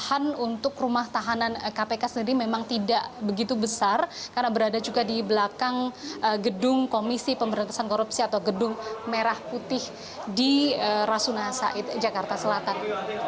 pemahaman untuk rumah tahanan kpk sendiri memang tidak begitu besar karena berada juga di belakang gedung komisi pemberantasan korupsi atau gedung merah putih di rasuna said jakarta selatan